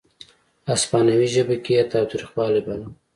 هسپانوي ژبه کې یې تاوتریخوالی باله.